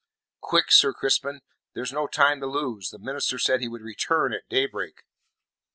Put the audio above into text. "Quick, Sir Crispin; there is no time to lose. The minister said he would return at daybreak."